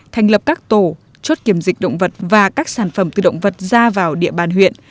thành lập các tổ chốt kiểm dịch động vật và các sản phẩm từ động vật ra vào địa bàn huyện